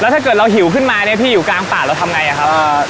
ถ้าเกิดเราหิวขึ้นมาเนี่ยพี่อยู่กลางป่าเราทำไงอะครับ